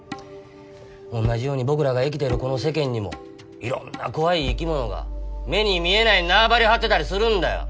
同じように僕らが生きてるこの世間にもいろんな怖い生き物が目に見えない縄張りを張ってたりするんだよ！